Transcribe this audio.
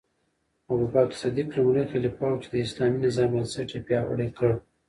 ابوبکر صدیق لومړی خلیفه و چې د اسلامي نظام بنسټ یې پیاوړی کړ.